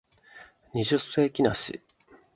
二十世紀梨